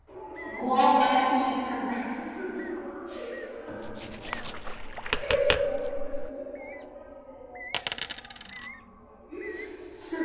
Glowacki used her private telephone in her apartment behind the store to notify authorities.